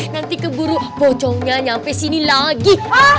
nanti keburu pocongnya nyampe sini lagi